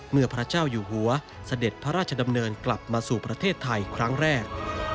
พระเจ้าอยู่หัวเสด็จพระราชดำเนินกลับมาสู่ประเทศไทยครั้งแรก